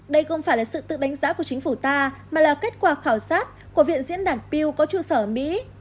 đây không phải là sự tự đánh giá của chính phủ ta mà là kết quả khảo sát của viện diễn đạt pew có trụ sở mỹ